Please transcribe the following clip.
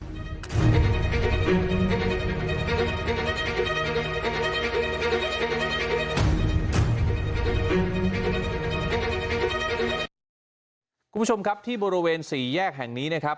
นี้ครับคุณผู้ชมครับที่บริเวณ๔แยกแห่งนี้นะครับ